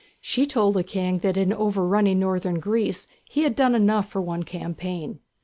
She told the King that in overrunning northern Greece he had done enough for one campaign.